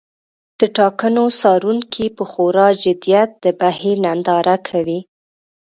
د ټاکنو څارونکي په خورا جدیت د بهیر ننداره کوي.